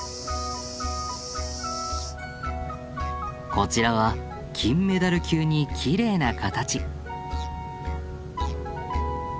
こちらは金メダル級にきれいな形。